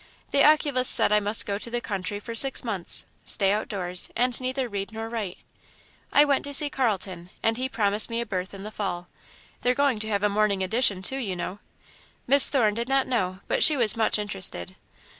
The oculist said I must go to the country for six months, stay outdoors, and neither read nor write. I went to see Carlton, and he promised me a berth in the Fall they're going to have a morning edition, too, you know." Miss Thorne did not know, but she was much interested.